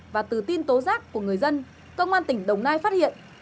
và từ tin tố giác của người dân công an tỉnh đồng nai phát hiện